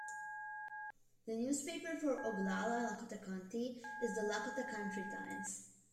The newspaper for Oglala Lakota County is "The Lakota Country Times".